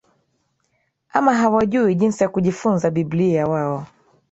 ama hawajui jinsi ya kujifunza Biblia wao